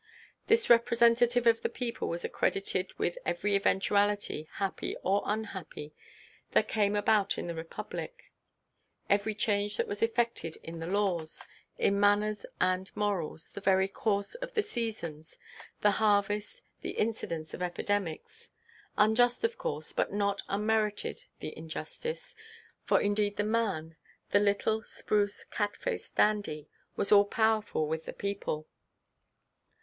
This representative of the people was accredited with every eventuality, happy or unhappy, that came about in the Republic, every change that was effected in the laws, in manners and morals, the very course of the seasons, the harvests, the incidence of epidemics. Unjust of course, but not unmerited the injustice, for indeed the man, the little, spruce, cat faced dandy, was all powerful with the people....